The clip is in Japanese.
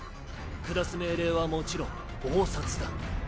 下す命令はもちろん鏖殺だ。